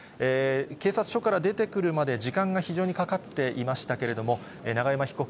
警察署から出てくるまで、時間が非常にかかっていましたけれども、永山被告、